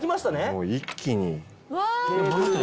もう一気に。